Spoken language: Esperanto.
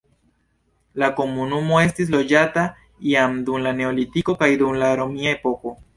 La komunumo estis loĝata jam dum la neolitiko kaj dum la romia epoko.